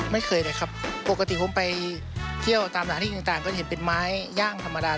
ไม่เคยเลยครับปกติผมไปเที่ยวตามสถานที่ต่างก็จะเห็นเป็นไม้ย่างธรรมดา